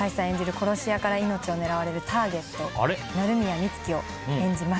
殺し屋から命を狙われるターゲット鳴宮美月を演じます。